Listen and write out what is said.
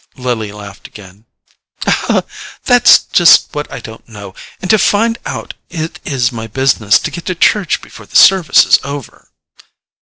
Lily laughed again. "That's just what I don't know; and to find out, it is my business to get to church before the service is over."